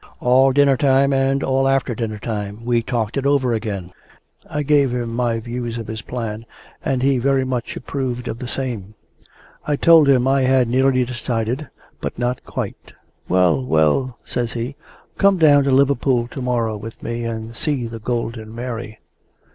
All dinner time, and all after dinner time, we talked it over again. I gave him my views of his plan, and he very much approved of the same. I told him I had nearly decided, but not quite. "Well, well," says he, "come down to Liverpool to morrow with me, and see the Golden Mary."